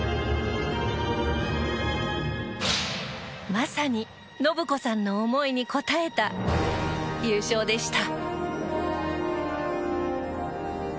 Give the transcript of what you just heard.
まさに、信子さんの思いに応えた優勝でした。